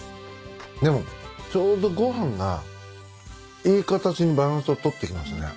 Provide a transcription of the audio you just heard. でもちょうどご飯がいい形にバランスを取ってきますね。